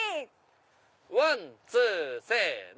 ワンツーせの！